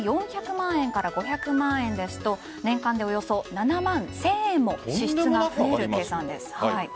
例えば、年収４００万円から５００万円ですと年間でおよそ７万１０００円も支出が増える計算です。